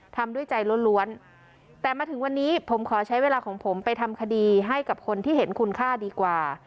ทำด้วยใจล้วนแต่มาถึงวันนี้ผมขอใช้เวลาของผมไปทำคดีให้กับคนที่เห็นคุณค่าดีกว่า